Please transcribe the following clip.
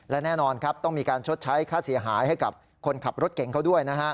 และแน่นอนครับต้องมีการชดใช้ค่าเสียหายให้กับคนขับรถเก่งเขาด้วยนะฮะ